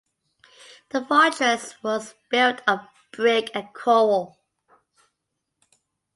The fortress was built of brick and coral.